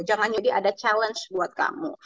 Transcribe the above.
jangan jadi ada challenge buat kamu